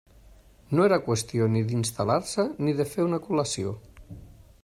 No era qüestió ni d'instal·lar-se ni de fer una col·lació.